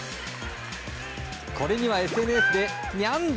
これにはＳＮＳでニャンだ